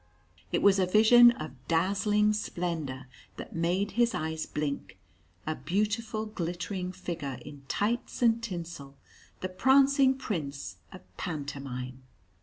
It was a vision of dazzling splendour that made his eyes blink a beautiful glittering figure in tights and tinsel, the prancing prince of pantomime.